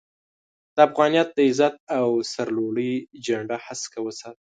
د افغانيت د عزت او سر لوړۍ جنډه هسکه وساته